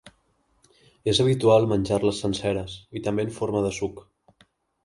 És habitual menjar-les senceres i també en forma de suc.